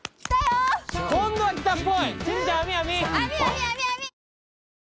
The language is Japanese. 今度は来たっぽい。